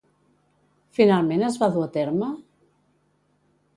Finalment es va dur a terme?